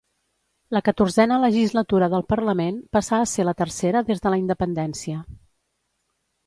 La catorzena legislatura del parlament passà a ser la tercera des de la independència.